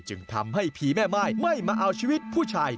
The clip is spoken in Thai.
จึงทำให้ผีแม่ม่ายไม่มาเอาชีวิตผู้ชาย